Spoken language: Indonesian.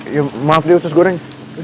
ya maaf deh usus goreng